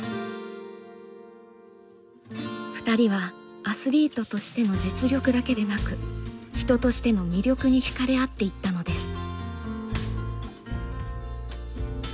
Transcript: ２人はアスリートとしての実力だけでなく人としての魅力に引かれ合っていったのです。